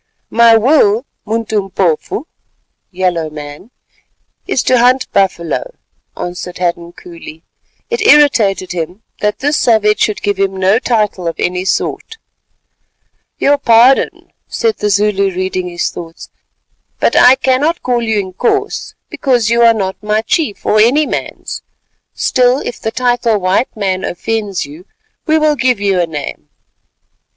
"My will, Muntumpofu (yellow man), is to hunt buffalo," answered Hadden coolly. It irritated him that this savage should give him no title of any sort. "Your pardon," said the Zulu reading his thoughts, "but I cannot call you Inkoos because you are not my chief, or any man's; still if the title 'white man' offends you, we will give you a name."